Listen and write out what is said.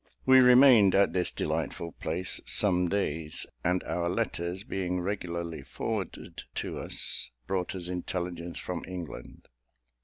We remained at this delightful place some days; and our letters being regularly forwarded to us, brought us intelligence from England.